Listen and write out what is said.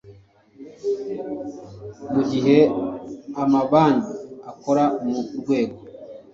Mu gihe amabanki akora mu rwego